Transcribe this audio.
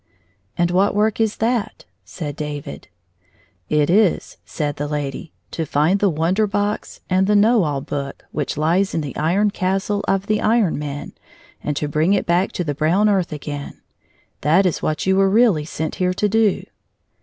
" And what work is that 1 " said David. "It is," said the lady, "to find the Wonder Box and the Know All Book, which lies in the Iron Castle of the Iron Man, and to bring it back to the brown earth again. That is what you were really sent here to do."